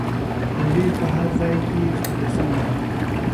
لنډۍ به په هر ځای کې خپرې سوې وي.